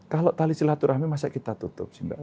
kalau tali si laturahmi masa kita tutup sih mbak